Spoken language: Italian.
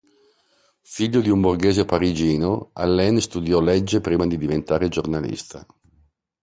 Figlio di un borghese parigino, Allain studiò legge prima di diventare giornalista.